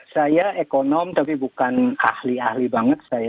saya ekonom tapi bukan ahli ahli banget